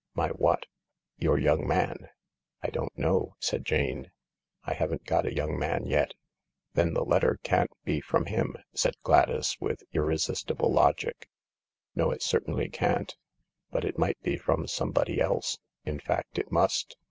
" My what ?" "Your young man." " I don't know," said Jane. " I haven't got a young man yet," "Then the letter can't be from him," said Gladys, with irresistible logic. "No, it certainly can't. But it might be from some body else. In fact it must.